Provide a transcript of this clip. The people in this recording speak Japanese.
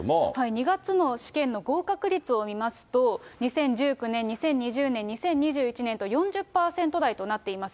２月の試験の合格率を見ますと、２０１９年、２０２０年、２０２１年と４０％台となっています。